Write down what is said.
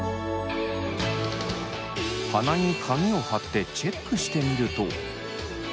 鼻に紙を貼ってチェックしてみると。